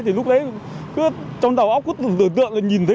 thì lúc đấy trong đầu óc cứ tưởng tượng là nhìn thấy